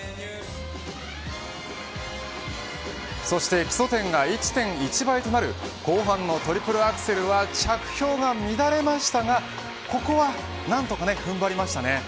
そして一つ、基礎点が１．１倍となる後半のトリプルアクセルは着氷が乱れましたがここは何とか踏ん張りましたね。